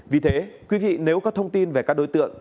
vì thế quý vị nếu có thông tin về các đối tượng